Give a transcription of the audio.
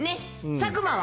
佐久間は？